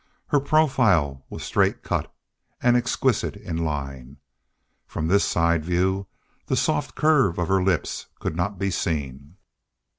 Her profile was straight cut and exquisite in line. From this side view the soft curve of lips could not be seen.